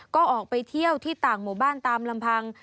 ก็ออกไปเที่ยวที่ต่างหมู่บ้านตามลำพัง